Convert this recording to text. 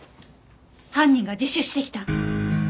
犯人が自首してきた！？